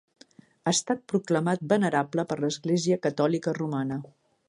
Ha estat proclamat venerable per l'Església Catòlica Romana.